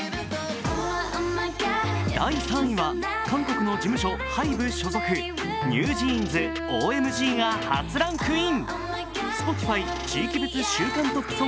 第３位は、韓国の事務所ＨＹＢＥ所属、ＮｅｗＪｅａｎｓ「ＯＭＧ」が初ランクイン。